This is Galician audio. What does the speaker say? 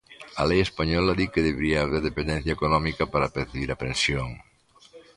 A lei española di que debería haber dependencia económica para percibir a pensión.